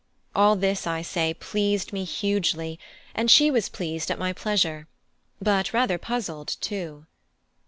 All this, I say, pleased me hugely, and she was pleased at my pleasure but rather puzzled too.